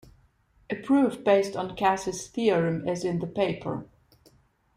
A proof based on Casey's theorem is in the paper.